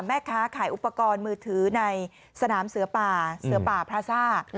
แม่ค้าขายอุปกรณ์มือถือในสนามเสือป่าเสือป่าพลาซ่า